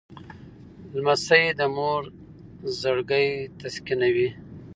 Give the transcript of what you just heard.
لمسی د مور زړګی تسکینوي.